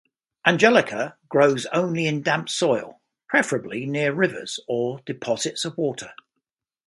"Angelica" grows only in damp soil, preferably near rivers or deposits of water.